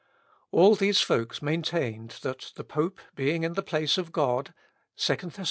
"All these folks maintained, that the pope being in the place of God, (2 Thess.